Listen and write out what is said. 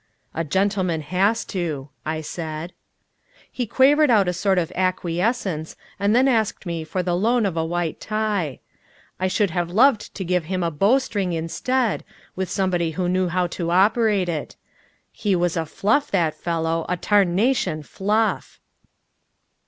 "A gentleman has to," I said. He quavered out a sort of acquiescence, and then asked me for the loan of a white tie. I should have loved to give him a bowstring instead, with somebody who knew how to operate it. He was a fluff, that fellow a tarnation fluff!